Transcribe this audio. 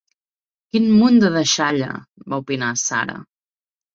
"Quin munt de deixalla", va opinar Sarah.